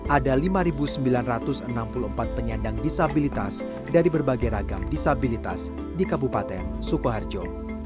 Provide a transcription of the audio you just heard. ada lima sembilan ratus enam puluh empat penyandang disabilitas dari berbagai ragam disabilitas di kabupaten sukoharjo